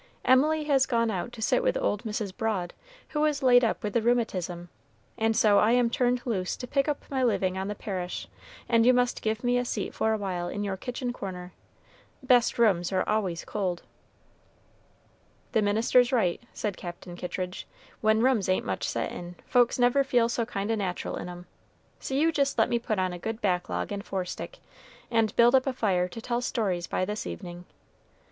"Emily has gone out to sit with old Mrs. Broad, who is laid up with the rheumatism, and so I am turned loose to pick up my living on the parish, and you must give me a seat for a while in your kitchen corner. Best rooms are always cold." "The minister's right," said Captain Kittridge. "When rooms ain't much set in, folks never feel so kind o' natural in 'em. So you jist let me put on a good back log and forestick, and build up a fire to tell stories by this evening.